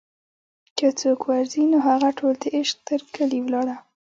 که څوک ور ځي نوهغه ټول دعشق تر کلي ولاړه